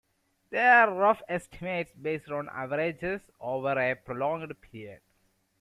They are rough estimates based on averages over a prolonged period.